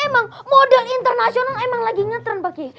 emang model internasional emang lagi ngetrend pak kiai